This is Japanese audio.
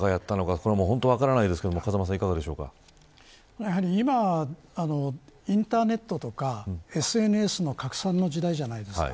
これは本当に分からないですけど今、インターネットとかＳＮＳの拡散の時代じゃないですか。